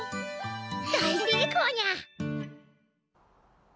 大成功にゃ！